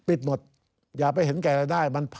ปิดหมดอย่าไปเห็นแก่รายได้